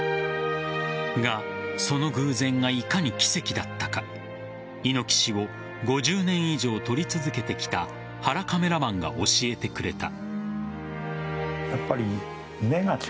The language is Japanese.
が、その偶然がいかに奇跡だったか猪木氏を５０年以上撮り続けてきた原カメラマンが教えてくれた。